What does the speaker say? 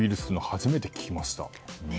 初めて聞きました。